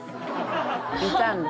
いたんで。